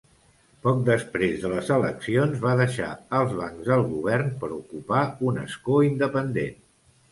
Poc després de les eleccions, va deixar els bancs del govern per ocupar un escó independent.